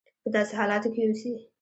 په داسې حالاتو کې اوسي.